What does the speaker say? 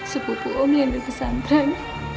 sepupu om yang di pesantren